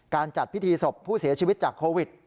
จัดพิธีศพผู้เสียชีวิตจากโควิด